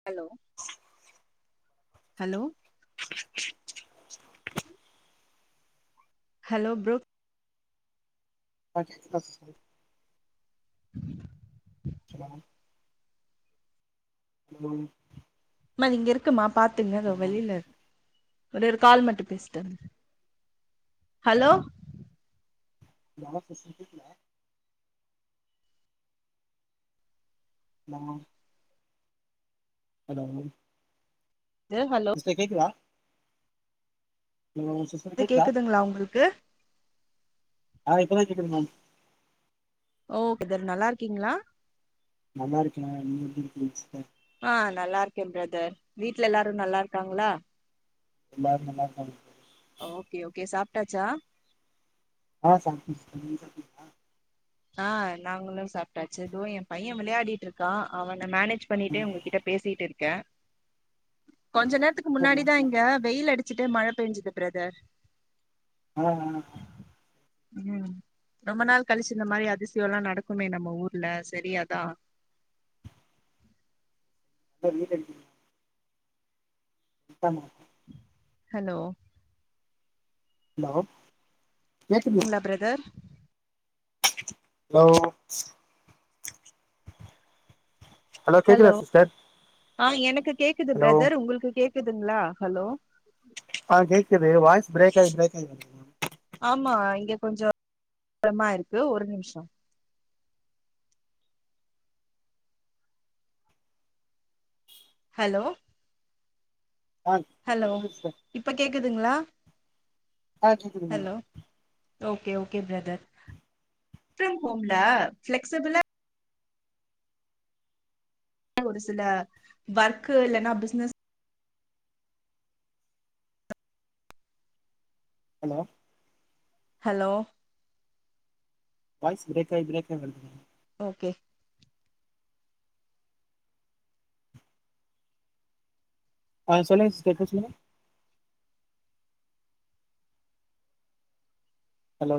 hello [inaudible] hello [inaudible] hello bro okay okay [inaudible] [inaudible] hello அம்மா அது இங்க இருக்கும்மா பாத்துங்க இதோ வெளில ஒரே ஒரு கால் மட்டு பேசிட்டு வர ஹலோ நா கசக்குத்ல நா ஹலோ ந்தேகல் இப்ப கேக்குதா ஹலோ சிஸ் இது கேக்குதுங்ளா உங்களுக்கு ஆ இப்பதா கேக்குது மம் ஓ ப்ரதர் நல்லா இருக்கீங்ளா நல்லா இருக்கேனா நீங்க எப்டி இருக்கீங்கஸ்டர் ஆ நல்லா இருக்கே ப்ரதர் வீட்ல எல்லாரு நல்லா இருக்காங்ளா எல்லாரு நல்லாருக்காங்க ஓகே ஓகே சாப்ட்டாச்சா ஆ சார் சொல்லுங்க ஆ நாங்களு சாப்ட்டாச்சு இதோ எ பைய விளையாடிட்டு இருக்கா அவன மேனேஜ் பண்ணிட்டே உங்ககிட்ட பேசிட்டு இருக்க கொஞ்ச நேரத்துக்கு முன்னாடிதா சாப்டீங்களா இங்க வெயில் அடிச்சிட்டே மழ பெஞ்சுது ப்ரதர் ஆ ஆ ஆ ம் ரொம்ப நாள் கழிச்சு இந்த மாரி அதிசயல்லா நடக்குமே நம்ம ஊர்ல சரி அதா தொன்னித்தஞ்சு தமா ஹலோ ஹலோ கேக்குதுங்களா க்கீங்ளா ப்ரதர் ஹலோ ஹலோ கேக்குதா சிஸ்டர் ஆ எனக்கு கேக்குது ஹலோ ப்ரதர் உங்களுக்கு கேக்குதுங்ளா ஹலோ ஆ கேக்குது வாய்ஸ் ப்ரேக் ஆயி ப்ரேக் ஆயி கேக் ஆமா இங்க கொஞ்சோ [inaudible] இருக்கு ஒரு நிமிஷோ ஹலோ ஆ ஹலோ சொல்லுங்க சிஸ்டர் இப்ப கேக்குதுங்ளா ஆ கேக்குது ma'am hello okay okay brother work from ஹோம்ல ஃபிளக்ஸ்சிபிலா அதா ஒரு சில ஒர்க்கு இல்லன்னா business hello hello voice break ஆகி ப்ரேக் ஆகி வருதுங்க ஓகே ஆ சொல்லுங்க சிஸ்டர் இப்ப சொல்லுங்க ஹலோ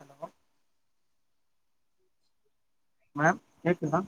ஹலோ மம் கேக்குதா